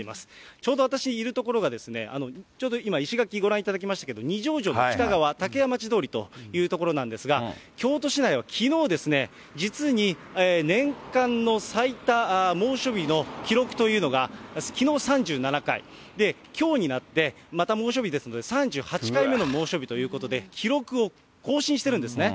ちょうど私、いる所がですね、ちょうど今、石垣ご覧いただきましたけれども、二条城の北側、たけやまち通りという所なんですが、京都市内はきのう、実に年間の最多猛暑日の記録というのが、きのう３７回、きょうになってまた猛暑日ですので、３８回目の猛暑日ということで、記録を更新してるんですね。